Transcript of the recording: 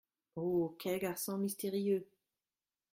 Oh ! quel garçon mystérieux !